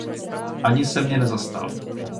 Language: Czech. Ani se mě nezastal.